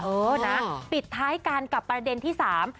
เออนะปิดท้ายกันกับประเด็นที่สาม